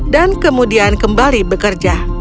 dan kemudian kembali bekerja